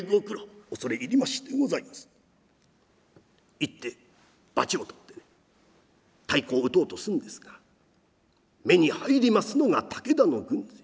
言ってバチを取ってね太鼓を打とうとするんですが目に入りますのが武田の軍勢。